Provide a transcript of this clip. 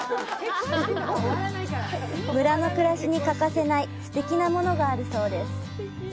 村の暮らしに欠かせないすてきなものがあるそうです。